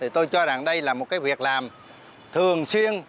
tôi cho rằng đây là một việc làm thường xuyên